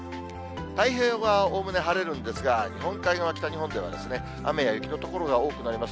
太平洋側はおおむね晴れるんですが、日本海側、北日本では雨や雪の所が多くなります。